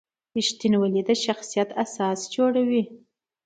رښتینولي د شخصیت اساس جوړوي.